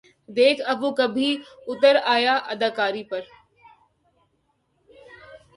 دیکھ اب وہ بھی اُتر آیا اداکاری پر